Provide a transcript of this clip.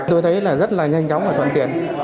tôi thấy rất là nhanh chóng và thuận tiện